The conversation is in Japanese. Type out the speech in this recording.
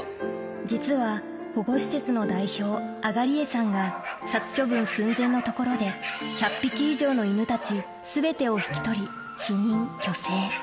実は、保護施設の代表、東江さんが、殺処分寸前のところで１００匹以上の犬たちすべてを引き取り、避妊去勢。